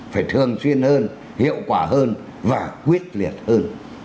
phải thường xuyên hơn hiệu quả hơn và quyết liệt hơn